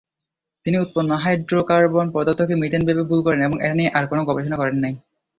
তিনি উৎপন্ন হাইড্রোকার্বন পদার্থকে মিথেন ভেবে ভুল করেন এবং এটা নিয়ে আর কোন গবেষণা করেন নাই।